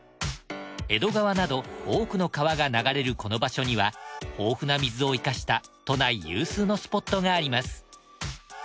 江戸川など多くの川が流れるこの場所には豊富な水を生かした都内有数のスポットがあります。